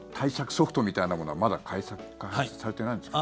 ソフトみたいなものはまだ開発されてないんですか？